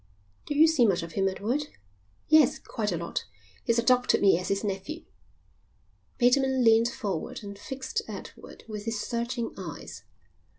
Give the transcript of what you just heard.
"Do you see much of him, Edward?" "Yes, quite a lot. He's adopted me as his nephew." Bateman leaned forward and fixed Edward with his searching eyes.